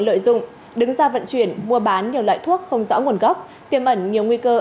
lợi dụng đứng ra vận chuyển mua bán nhiều loại thuốc không rõ nguồn gốc tiêm ẩn nhiều nguy cơ